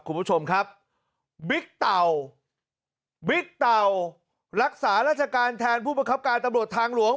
คุณผู้ชมครับบิ๊กเต่าบิ๊กเต่ารักษาราชการแทนผู้ประคับการตำรวจทางหลวง